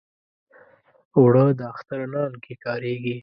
اوړه د اختر نان کې کارېږي